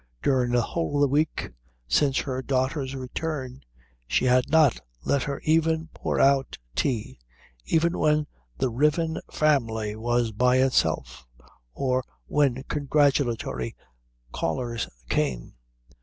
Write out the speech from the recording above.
During the whole of the week since her daughter's return she had not let her even pour out tea, either when the riven family was by itself or when congratulatory callers came.